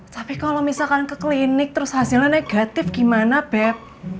tapi kalau misalkan ke klinik terus hasilnya negatif gimana bep